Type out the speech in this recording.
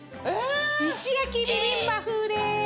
石焼きビビンバ風でーす！